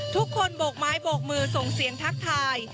โบกไม้โบกมือส่งเสียงทักทาย